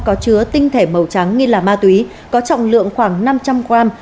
có chứa tinh thể màu trắng nghi là ma túy có trọng lượng khoảng năm trăm linh gram